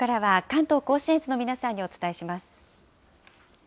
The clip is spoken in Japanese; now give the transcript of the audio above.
関東甲信越の皆さんにお伝えします。